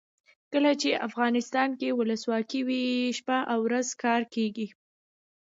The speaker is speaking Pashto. کله چې افغانستان کې ولسواکي وي شپه او ورځ کار کیږي.